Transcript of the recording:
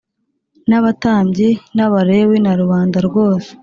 N abatambyi n abalewi na rubanda rwose